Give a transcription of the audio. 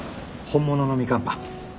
本物のみかんパン。